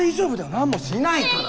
何もしないから！